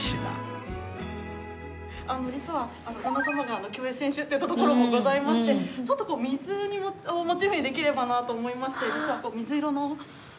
あの実は旦那様が競泳選手といったところもございましてちょっとこう水をモチーフにできればなと思いまして実はこう水色のお皿を。